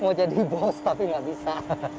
mau jadi bos tapi gak bisa